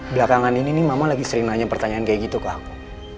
belakangan ini nih mama lagi sering nanya pertanyaan kayak gitu ke aku